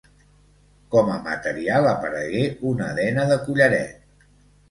Com a material aparegué una dena de collaret.